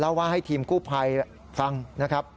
ว่าให้ทีมกู้ภัยฟังนะครับ